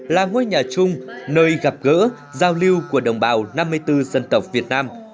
là ngôi nhà chung nơi gặp gỡ giao lưu của đồng bào năm mươi bốn dân tộc việt nam